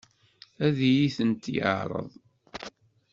Ad iyi-ten-yeɛṛeḍ?